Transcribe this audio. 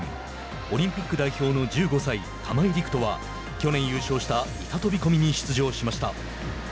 オリンピック代表の１５歳玉井陸斗は去年優勝した板飛び込みに出場しました。